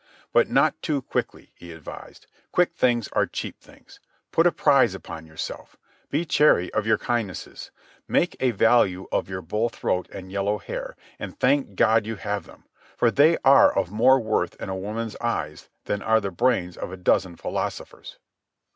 "But not too quickly," he advised. "Quick things are cheap things. Put a prize upon yourself. Be chary of your kindnesses. Make a value of your bull throat and yellow hair, and thank God you have them, for they are of more worth in a woman's eyes than are the brains of a dozen philosophers."